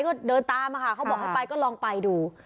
ก็เดินตามเขาบอกเข้าไปก็ลองไปดู